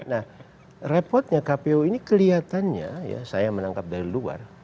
nah repotnya kpu ini kelihatannya ya saya menangkap dari luar